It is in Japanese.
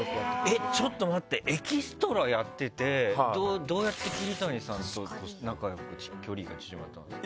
ちょっと待ってエキストラやっててどうやって桐谷さんと仲良く距離が縮まったんですか？